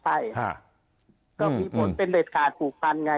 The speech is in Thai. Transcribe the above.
ใช่ก็มีผลเป็นเด็ดขาดผูกพันไง